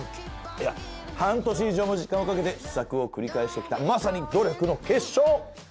いや半年以上の時間をかけて試作を繰り返してきたまさに努力の結晶！